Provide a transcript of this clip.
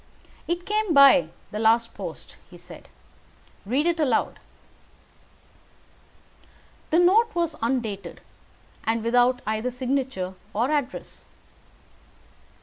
"It came by the last post," said he. "Read it aloud." The note was undated, and without either signature or address.